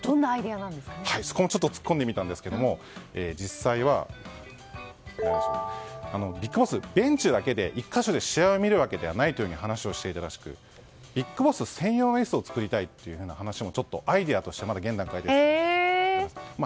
そこも突っ込んでみたんですけど実際は、ＢＩＧＢＯＳＳベンチだけで１か所で試合を見るわけではないと話していたらしくＢＩＧＢＯＳＳ専用の椅子を作りたいという話もちょっとアイデアとして今、現段階ですけど。